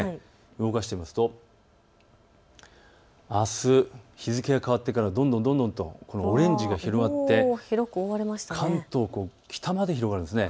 動かしてみますとあす日付が変わってからどんどんとオレンジが広がって関東北まで広がるんです。